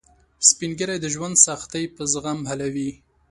سپین ږیری د ژوند سختۍ په زغم حلوي